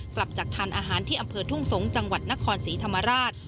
กลับจากทานอาหารที่อำเภอทุ่งสงศ์จังหวัดนครศรีธรรมราช